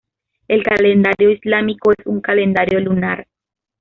El Calendario islámico es un calendario lunar.